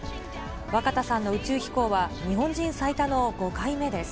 若田さんの宇宙飛行は、日本人最多の５回目です。